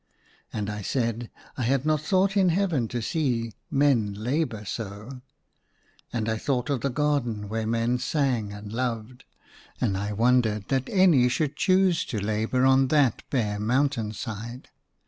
And I said, " I had not thought in heaven to see men labour so !" And I thought of the garden where men sang and loved, and I wondered that any should, choose to labour on that bare mountain side.